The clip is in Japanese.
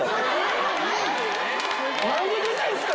何で出てんすか？